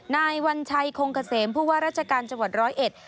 นายวัญชัยคงเกษมผู้ว่าราชการจังหวัดร้อยเอ็ด